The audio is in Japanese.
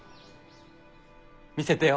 見せてよ。